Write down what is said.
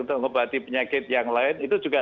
untuk mengobati penyakit yang lain itu juga